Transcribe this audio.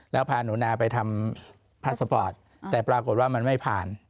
แล้วพาหนูนาไปทำพาสปอร์ตแต่ปรากฏว่ามันไม่ผ่าน